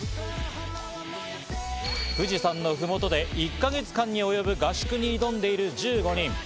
富士山の麓で１か月間に及ぶ合宿に挑んでいる１５人。